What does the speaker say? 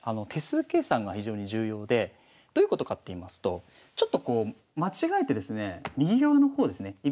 手数計算が非常に重要でどういうことかって言いますとちょっとこう間違えてですね右側の方ですね